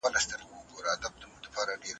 تېرو پېښو زموږ په ژوند ژور اغېز وکړ.